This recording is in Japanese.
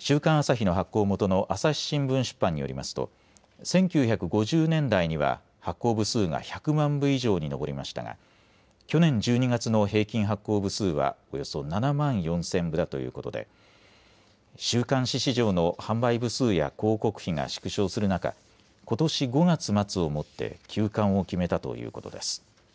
週刊朝日の発行元の朝日新聞出版によりますと１９５０年代には発行部数が１００万部以上に上りましたが去年１２月の平均発行部数はおよそ７万４０００部だということで週刊誌市場の販売部数や広告費が縮小する中、ことし５月末をもって休刊を決めたということです。